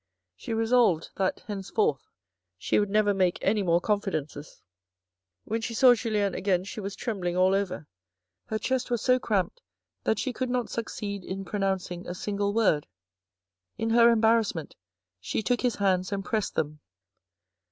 She resolved that henceforth she would never make any more confidences. When she saw Julien again she was trembling all over. Her chest was so cramped that she could not succeed in pronouncing a single word. In her embarrassment she took his hands and pressed them.